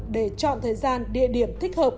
để chọn thời gian địa điểm